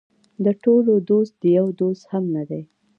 د ټولو دوست د یو دوست هم نه دی.